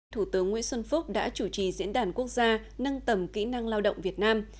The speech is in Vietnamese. thủ tướng nguyễn xuân phúc đã chủ trì diễn đàn quốc gia nâng tầm kỹ năng lao động việt nam